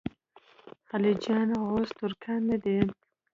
خلجیان غوز ترکان نه دي.